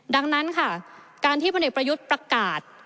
ดังนั้นค่ะการที่พลเอกประยุทธ์ประกาศ